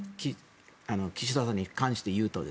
岸田さんに関して言うと。